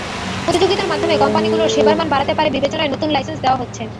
প্রতিযোগিতার মাধ্যমে কোম্পানিগুলোর সেবার মান বাড়তে পারে বিবেচনায় নতুন লাইসেন্স দেওয়া হচ্ছে।